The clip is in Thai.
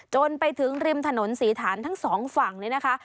จนไปถึงริมถนนศรีฐานทั้งสองฝั่งเลยนะคะ